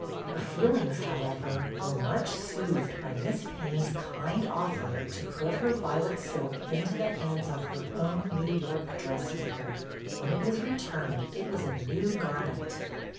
Her feelings, however, were much soothed BETTY BAIRD 132 by Miss Payne's kind offer to put her violet silk into the hands of her own New York dressmaker. When it was returned, it was a new garment.